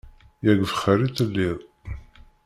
Yak bxir i telliḍ!